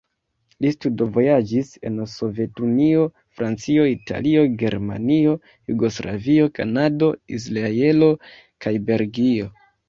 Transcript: Li studvojaĝis en Sovetunio, Francio, Italio, Germanio, Jugoslavio, Kanado, Izraelo kaj Belgio.